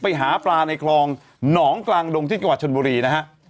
ไปหาปลาในคลองหนองกลางดงที่จังหวัดชนบุรีนะฮะ